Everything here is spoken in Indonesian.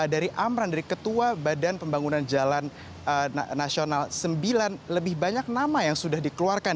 dari amran dari ketua badan pembangunan jalan nasional sembilan lebih banyak nama yang sudah dikeluarkan